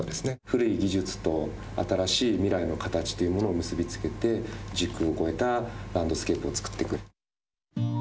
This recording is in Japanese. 古い技術と新しい未来のカタチを結び付けて時空を超えたランドスケープを作っていく。